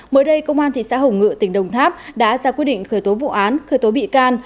mới đây công an thị xã hồng ngự tỉnh đồng tháp đã ra quyết định khởi tố vụ án khởi tố bị can